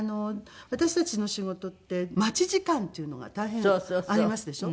私たちの仕事って待ち時間っていうのが大変ありますでしょ。